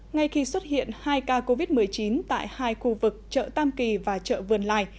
ngay khi xuất hiện hai ca covid một mươi chín tại hai khu vực chợ tam kỳ và chợ vườn lài